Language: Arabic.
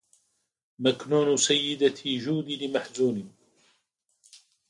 مكنون سيدتي جودي لمحزون